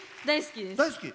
大好きです。